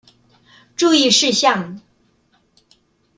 注意事項